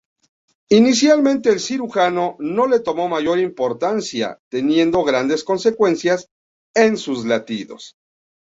Inicialmente el cirujano no le tomo mayor importancia, teniendo grandes consecuencias en sus latidos.